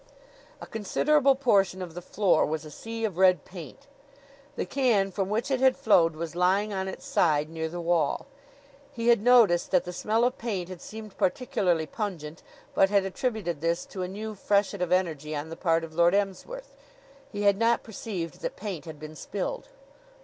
A considerable portion of the floor was a sea of red paint. The can from which it had flowed was lying on its side near the wall. He had noticed that the smell of paint had seemed particularly pungent, but had attributed this to a new freshet of energy on the part of Lord Emsworth. He had not perceived that paint had been spilled.